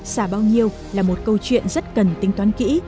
xả bao nhiêu là một câu chuyện rất cần tính toán kỹ